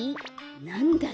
なんだ？